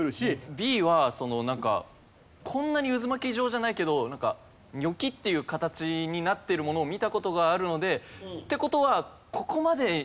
Ｂはそのなんかこんなに渦巻き状じゃないけどなんかニョキッていう形になってるものを見た事があるのでって事は。